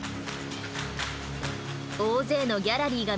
大勢のギャラリーが見守る中